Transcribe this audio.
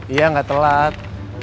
iya gak telat